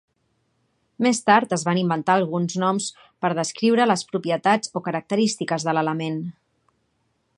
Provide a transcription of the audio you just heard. Més tard es van inventar alguns noms per descriure les propietats o característiques de l'element.